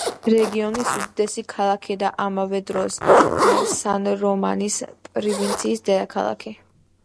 რეგიონის უდიდესი ქალაქი და ამავე დროს სან-რომანის პროვინციის დედაქალაქი.